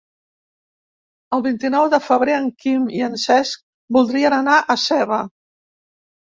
El vint-i-nou de febrer en Quim i en Cesc voldrien anar a Seva.